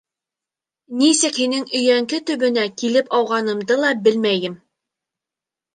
Нисек һинең өйәңке төбөнә килеп ауғанды ла белмәйем.